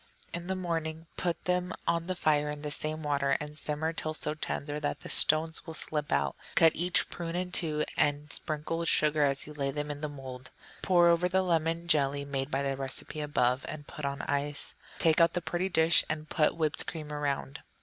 In the morning put them on the fire in the same water, and simmer till so tender that the stones will slip out. Cut each prune in two and sprinkle with sugar as you lay them in the mould; pour over them lemon jelly made by the recipe above, and put on ice. Turn out on a pretty dish, and put whipped cream around.